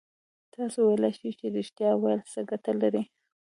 تاسو ویلای شئ چې رښتيا ويل څه گټه لري؟